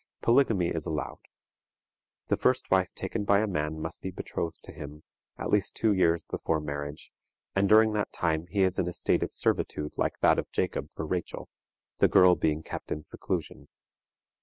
Polygamy is allowed. The first wife taken by a man must be betrothed to him at least two years before marriage, and during that time he is in a state of servitude like that of Jacob for Rachel, the girl being kept in seclusion.